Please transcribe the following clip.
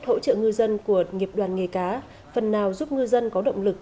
hỗ trợ ngư dân của nghiệp đoàn nghề cá phần nào giúp ngư dân có động lực